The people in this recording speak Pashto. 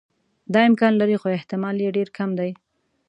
دا امکان لري خو احتمال یې ډېر کم دی.